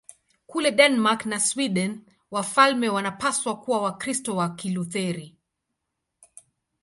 Kule Denmark na Sweden wafalme wanapaswa kuwa Wakristo wa Kilutheri.